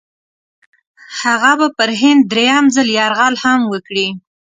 هغه به پر هند درېم ځل یرغل هم وکړي.